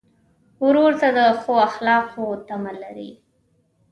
ورور ته د ښو اخلاقو تمه لرې.